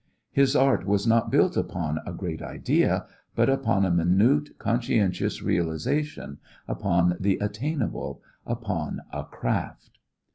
His art was not built upon a great idea, but upon a minute, conscientious realization, upon the attainable, upon a craft.